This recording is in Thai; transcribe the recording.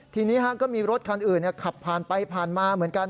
ทีนี้ก็มีรถคันอื่นขับผ่านไปผ่านมาเหมือนกัน